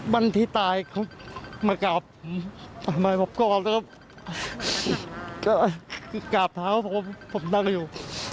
วันที่ตายเขามากลับมาก็เอาแล้วกลับถามว่าผมผมนั่งอยู่